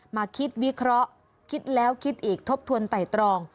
มาคิดวิเคราะห์คิดแล้วคิดอีกทบทวนไต่ตรอง